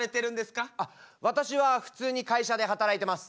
私は普通に会社で働いてます。